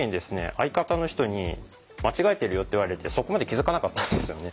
相方の人に「間違えてるよ」って言われてそこまで気づかなかったんですよね。